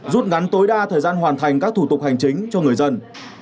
rút ngắn tối đa thời gian hoàn thành các thủ tục hành chính cho người dân